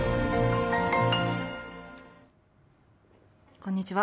こんにちは。